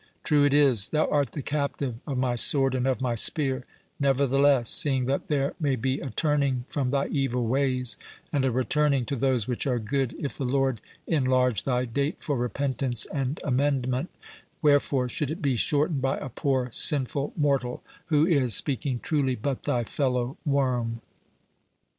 True it is, thou art the captive of my sword and of my spear; nevertheless, seeing that there may be a turning from thy evil ways, and a returning to those which are good, if the Lord enlarge thy date for repentance and amendment, wherefore should it be shortened by a poor sinful mortal, who is, speaking truly, but thy fellow worm."